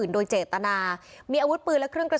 สวัสดีครับ